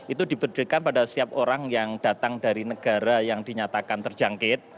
itu diberikan pada setiap orang yang datang dari negara yang dinyatakan terjangkit